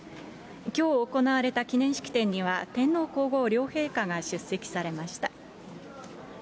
きょう行われた記念式典には、天皇皇后両陛下が出席されました。